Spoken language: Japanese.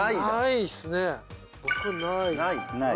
ない。